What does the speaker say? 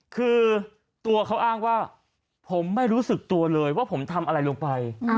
คือตัวเขาอ้างว่าผมไม่รู้สึกตัวเลยว่าผมทำอะไรลงไป